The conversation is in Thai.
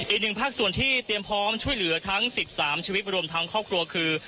อีกหนึ่งภักดิ์ส่วนที่เรียบรัมช่วยเหลือ๑๓ชีวิตรวมทั้งข้อครัวคือ